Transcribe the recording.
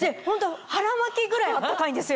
腹巻きぐらい暖かいんですよ。